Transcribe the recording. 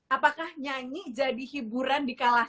apakah nyanyi jadi hiburan di kalangan